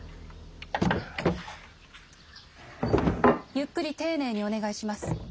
ゆっくり丁寧にお願いします。